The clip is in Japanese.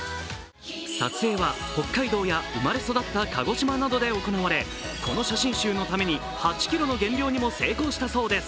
撮影は北海道や生まれ育った鹿児島などで行われこの写真集のために８ｋｇの減量にも成功したそうです。